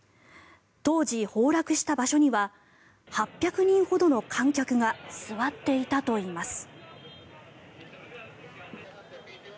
当時、崩落した場所には８００人ほどの観客が座っていたといいます。